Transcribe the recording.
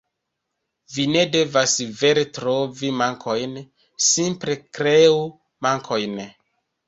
Vi ne devas vere trovi mankojn, simple kreu mankojn.